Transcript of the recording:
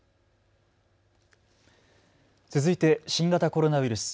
続いて新型コロナウイルス。